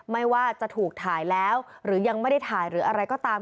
ไม่ว่าจะถูกถ่ายแล้วหรือยังไม่ได้ถ่ายหรืออะไรก็ตาม